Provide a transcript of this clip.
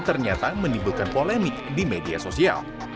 ternyata menimbulkan polemik di media sosial